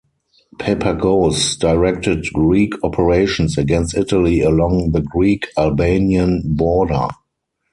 Papagos directed Greek operations against Italy along the Greek-Albanian border.